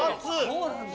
そうなんだ！